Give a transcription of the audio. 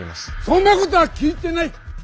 そんなことは聞いてない！